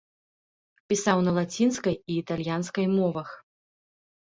Пісаў на лацінскай і італьянскай мовах.